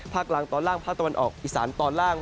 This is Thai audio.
กลางตอนล่างภาคตะวันออกอีสานตอนล่าง